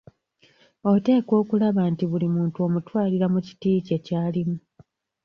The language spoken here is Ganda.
Oteekwa okulaba nti buli muntu omutwalira mu kiti kye ky’alimu.